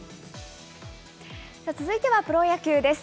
続いてはプロ野球です。